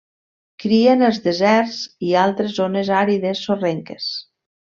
Cria en els deserts i altres zones àrides sorrenques.